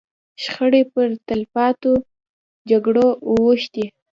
شخړې پر تلپاتو جګړو اوښتې.